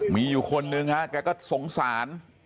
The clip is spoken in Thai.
มีอยู่คนนึงฮะแกก็สงสาร